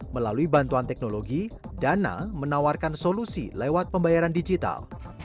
melalui bantuan teknologi dana menawarkan solusi lewat pembayaran digital